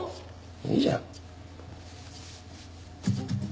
いいじゃん。